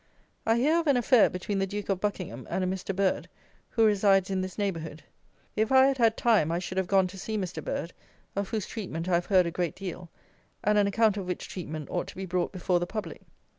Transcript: I hear of an affair between the Duke of Buckingham and a Mr. Bird, who resides in this neighbourhood. If I had had time I should have gone to see Mr. Bird, of whose treatment I have heard a great deal, and an account of which treatment ought to be brought before the public.